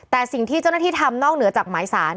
แต่สิ่งที่เจ้าหน้าที่ทำนอกเหนือจากหมายสาร